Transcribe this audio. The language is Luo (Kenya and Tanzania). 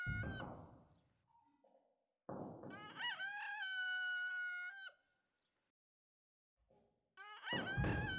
Wanyalo neno giko mar korona kawaluwo chike ma ondiki go kendo wakawo chanjo .